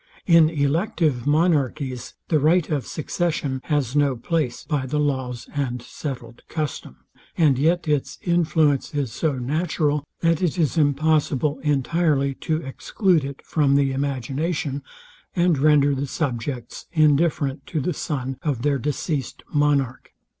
In elective monarchies the right of succession has no place by the laws and settled custom; and yet its influence is so natural, that it is impossible entirely to exclude it from the imagination, and render the subjects indifferent to the son of their deceased monarch.